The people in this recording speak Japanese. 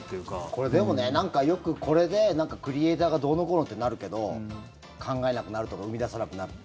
これ、でもねよくこれでクリエーターがどうのこうのってなるけど考えなくなるとか生み出さなくなる。